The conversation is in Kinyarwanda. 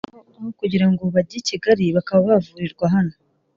noneho aho kugira ngo bajye i Kigali bakaba bavurirwa hano”